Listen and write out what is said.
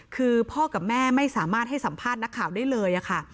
คือพ่อกับแม่ไม่สามารถให้สัมภาษณ์นักข่าวได้เลยค่ะ